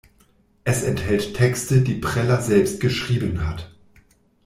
Es enthält Texte, die Preller selbst geschrieben hat.